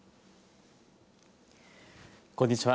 こんにちは。